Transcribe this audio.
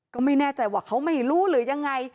ก็ไม่แน่ใจว่าเขาไม่รู้หรือยังไง